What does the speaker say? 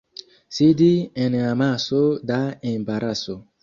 Sidi en amaso da embaraso.